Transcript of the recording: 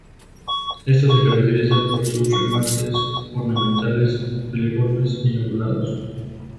Ésta se caracteriza por sus remates ornamentales filiformes y ondulados.